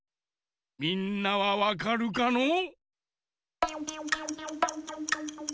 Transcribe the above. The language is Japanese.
みんなはわかるかのう？